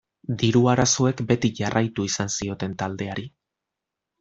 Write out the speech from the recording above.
Diru arazoek beti jarraitu izan zioten taldeari.